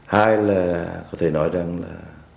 hai là có thể nói rằng là